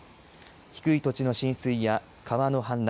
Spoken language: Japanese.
低い土地の浸水や川の氾濫